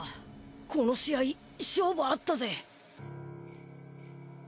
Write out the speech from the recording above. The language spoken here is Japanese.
この試合勝負あったぜ。